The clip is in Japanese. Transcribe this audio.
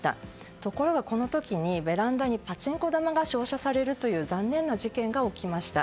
ところが、この時にベランダにパチンコ玉が照射されるという残念な事件が起きました。